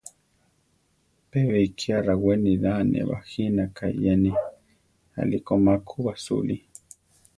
Pe beikiá rawé niraa ne bajínaka eyeni; aʼliko ma ku basúli.